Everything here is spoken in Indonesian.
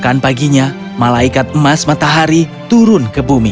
keesokan paginya malaikat emas matahari turun ke rumah